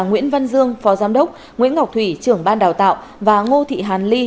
nguyễn văn dương phó giám đốc nguyễn ngọc thủy trưởng ban đào tạo và ngô thị hàn ly